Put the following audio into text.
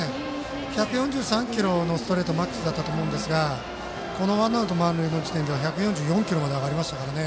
１４３キロのストレートがマックスだったと思いますがこのワンアウト満塁の時点では１４４キロまで上がりましたから。